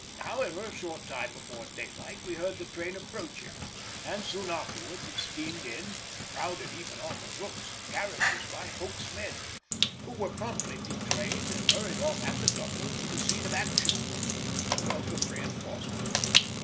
However, a short time before daylight we heard the train approaching, and soon afterwards it steamed in, crowded even on the roofs of carriages by Hoke's men, who were promptly detrained and hurried off at the double to the scene of action—a welcome reinforcement.